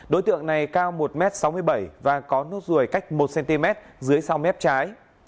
đối tượng này cao một m sáu mươi bảy và có nốt ruồi cách một cm dưới sau mép trái